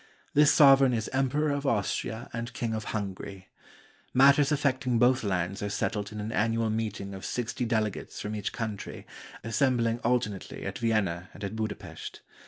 This sovereign is Emperor of Austria and King of Hungary. Matters affecting both lands are settled in an annual meeting of sixty delegates from each country, assembling alternately at Vienna and at Budapest.